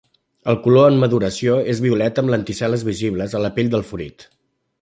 El color en maduració és violeta amb lenticel·les visibles a la pell del fruit.